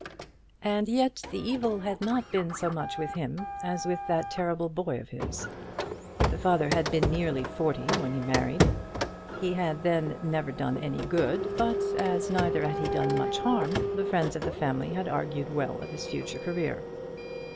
And yet the evil had not been so much with him as with that terrible boy of his. The father had been nearly forty when he married. He had then never done any good; but as neither had he done much harm, the friends of the family had argued well of his future career.